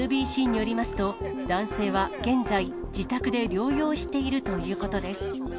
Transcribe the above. ＮＢＣによりますと、男性は現在、自宅で療養しているということです。